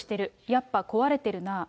やっぱ壊れてるなぁ。